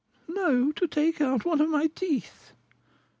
"No; to take out one of my teeth."